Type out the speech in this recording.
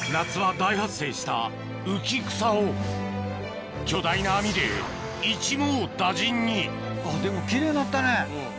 大発生したウキクサを巨大な網で一網打尽にでも奇麗になったね。